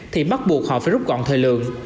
thì bắt buộc họ phải rút gọn thời lượng